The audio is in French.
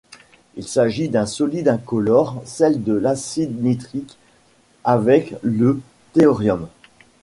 Il s'agit d'un solide incolore, sel de l'acide nitrique avec le thorium.